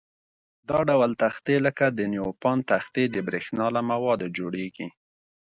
دا ډول تختې لکه د نیوپان تختې د برېښنا له موادو جوړيږي.